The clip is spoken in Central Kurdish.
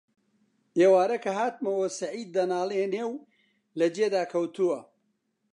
ئێوارە کە هاتمەوە سەعید دەناڵێنێ و لە جێدا کەوتووە: